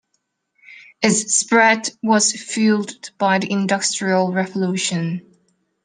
Its spread was fueled by the Industrial Revolution.